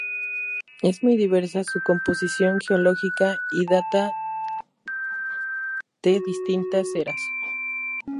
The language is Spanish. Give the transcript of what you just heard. Es muy diversa su composición geológica y data te distintas eras.